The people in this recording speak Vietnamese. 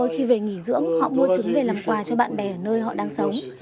khi về nghỉ dưỡng họ mua trứng về làm quà cho bạn bè ở nơi họ đang sống